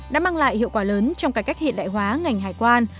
đã mang lại hiệu quả lớn trong cải cách hiện đại hóa ngành hải quan